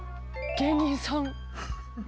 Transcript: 「芸人さん」？